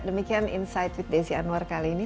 demikian insight with desi anwar kali ini